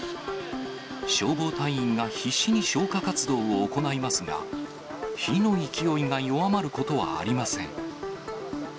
消防隊員が必死に消火活動を行いますが、火の勢いが弱まることはありません。